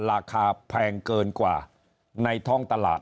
ราคาแพงเกินกว่าในท้องตลาด